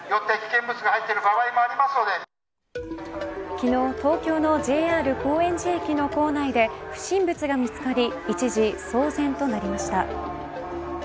昨日、東京のＪＲ高円寺駅の構内で不審物が見つかり一時騒然となりました。